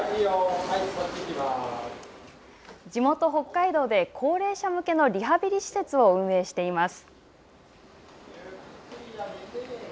地元北海道で高齢者向けのリハビリ施設を運営しています。